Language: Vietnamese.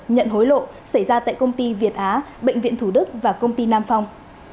nhận hối lộ xảy ra tại công ty việt á bệnh viện thủ đức và công ty nam phong